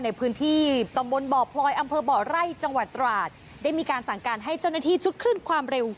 ในพื้นที่ตำบลบ่อพลอยอำเภอบ่อไร่จังหวัดตราดได้มีการสั่งการให้เจ้าหน้าที่ชุดคลื่นความเร็ว